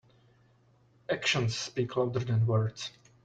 Actions speak louder than words.